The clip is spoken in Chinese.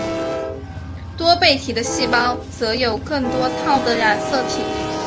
多倍体的细胞则有更多套的染色体。